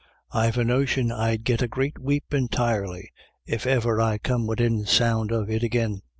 I've a notion I'd git a great sleep entirely if iver I come widin sound of it agin.